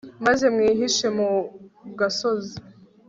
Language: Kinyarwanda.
maze mwihishe mu gasozi